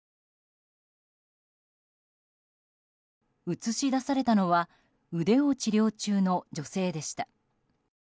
映し出されたのは腕を治療中の女性でした。